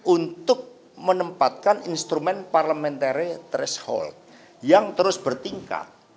untuk menempatkan instrumen parliamentary threshold yang terus bertingkat